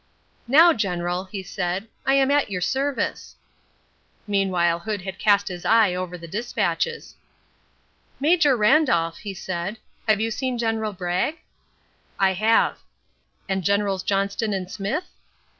"Now, General," he said, "I am at your service." Meanwhile Hood had cast his eye over the despatches. "Major Randolph," he said, "you have seen General Bragg?" "I have." "And Generals Johnston and Smith?"